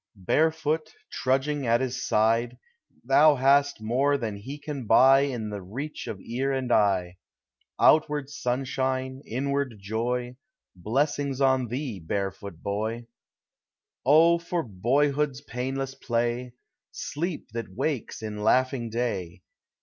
Barefoot, trudging at his side, Thou hast more than he can buy In the reach of ear and eye — Outward sunshine, inward joy: Blessings on thee, barefoot boy! O for boyhood s painless play. Sleep that wakes in laughing day.